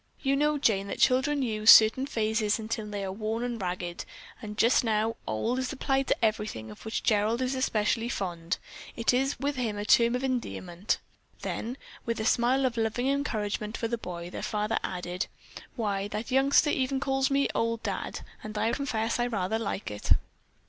"You know, Jane, that children use certain phrases until they are worn ragged, and just now 'old' is applied to everything of which Gerald is especially fond. It is with him a term of endearment." Then, with a smile of loving encouragement for the boy, their father added: "Why, that youngster even calls me 'old Dad' and I confess I rather like it."